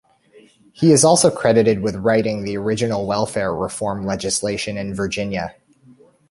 He is also credited with writing the original welfare reform legislation in Virginia.